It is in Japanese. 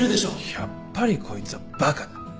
やっぱりこいつはバカだ。